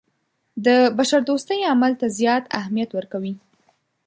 د بشردوستۍ عمل ته زیات اهمیت ورکوي.